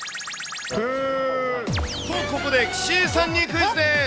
と、ここで岸井さんにクイズです。